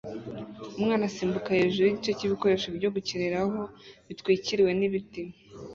Umwana asimbuka hejuru yigice cyibikoresho byo gukiniraho bitwikiriwe nibiti